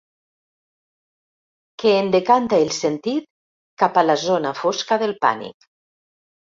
Que en decanta el sentit cap a la zona fosca del pànic.